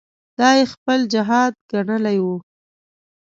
دا یې خپل جهاد ګڼلی وو.